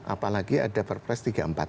apalagi ada perpres tiga puluh empat